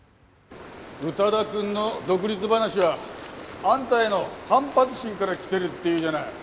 宇多田くんの独立話はあんたへの反発心から来てるっていうじゃない。